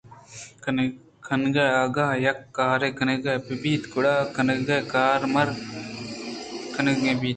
کنگ اگاں یکے کارے کنگ ءَ بہ بیت گڑا کنَگ کارمرد کنَگ بیت۔